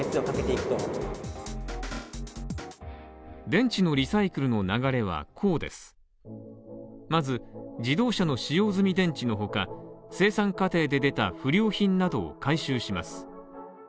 電池のリサイクルの流れはこうですまず、自動車の使用済み電池の他、生産過程で出た不良品などを回収します。